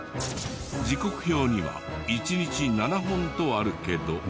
時刻表には１日７本とあるけど。